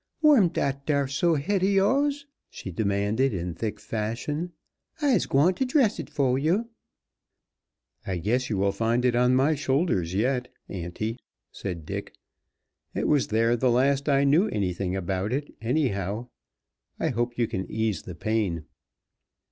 "Whur'm dat dar so' head ob you's?" she demanded in thick fashion. "I's gwine to dress hit fo' yo'." "I guess you will find it on my shoulders yet, auntie," said Dick. "It was there the last I knew anything about it, anyhow. I hope you can ease the pain."